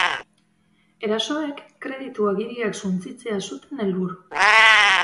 Erasoak kreditu-agiriak suntsitzea zuten helburu.